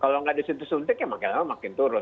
kalau nggak disuntik suntik ya makin lama makin turun